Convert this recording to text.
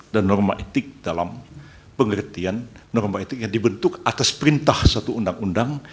dan norma etik dalam pengertian norma etik yang dibentuk atas perintah satu undang undang